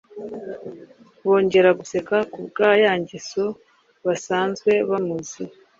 Bongera guseka ku bwa ya ngeso basanzwe bamuziho,